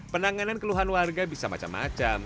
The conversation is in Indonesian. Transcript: penanganan keluhan warga bisa macam macam